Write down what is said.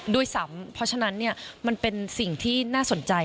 ด้วยซ้ำเพราะฉะนั้นมันเป็นสิ่งที่น่าสนใจ